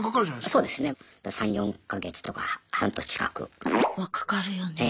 そうですね３４か月とか半年近く。はかかるよね。